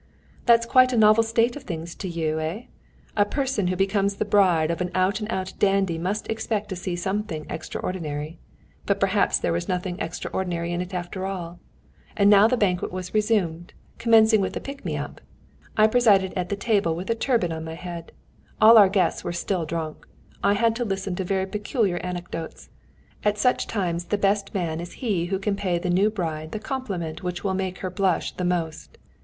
"That's quite a novel state of things to you, eh? A person who becomes the bride of an out and out dandy must expect to see something extraordinary. But perhaps there was nothing extraordinary in it after all. And now the banquet was resumed, commencing with a pick me up. I presided at the table with a turban on my head. All our guests were still drunk. I had to listen to very peculiar anecdotes. At such times the best man is he who can pay the new bride the compliment which will make her blush the most.